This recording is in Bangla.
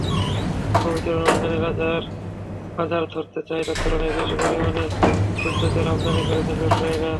পবিত্র রমজানের বাজার ধরতে চাহিদার তুলনায় বেশি পরিমাণে ভোজ্যতেল আমদানি করেছিলেন ব্যবসায়ীরা।